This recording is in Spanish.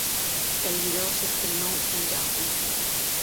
El vídeo se estrenó en Yahoo!